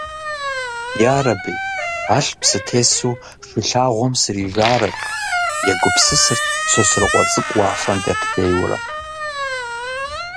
«Ярэби, алъп сытесу Шыхулъагъуэм срижарэт», егупсысырт Сосрыкъуэ цӏыкӏу уафэм дэплъейуэрэ.